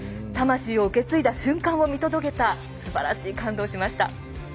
魂を受け継いだ瞬間を見届けた、すばらしい感動しました。